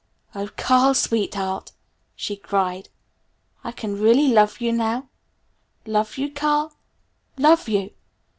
"Oh, Carl, Sweetheart!" she cried. "I can really love you now? Love you, Carl love you!